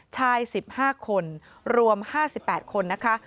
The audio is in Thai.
ชาย๑๕คนรวม๕๘คนนะคะ